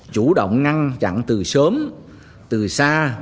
chủ động ngăn chặn từ sớm từ xa